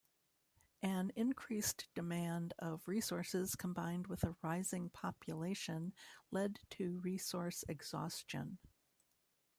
An increased demand of resources combined with a rising population led to resource exhaustion.